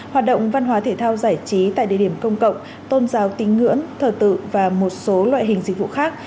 hoạt động văn hóa thể thao giải trí tại địa điểm công cộng tôn giáo tín ngưỡng thờ tự và một số loại hình dịch vụ khác